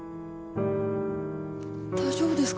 大丈夫ですか？